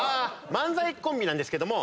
漫才コンビなんですけども。